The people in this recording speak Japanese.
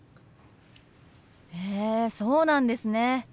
へえそうなんですね。